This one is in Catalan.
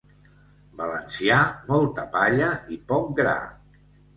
Valencià, molta palla i poc gra.